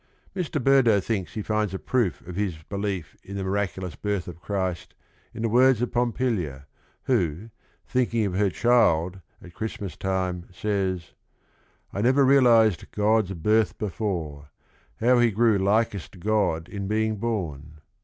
Mr. Berdoe thinks he finds a proof of his be lief in the miraculous birth of Christ in the words of Pompilia, who, thinking of her child at Christ mas time, says: " I never realized God's birth before — How he grew likest God in being born.